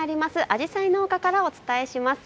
アジサイ農家からお伝えします。